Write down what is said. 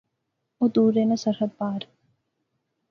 او دور رہنا، سرحد پار